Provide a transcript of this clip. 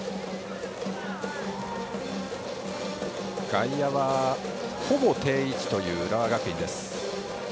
外野はほぼ定位置という浦和学院。